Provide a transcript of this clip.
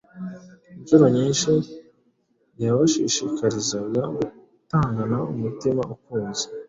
Incuro nyinshi yabashishikarizaga gutangana umutima ukunze.